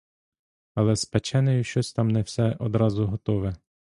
Але з печенею щось там не все одразу готове.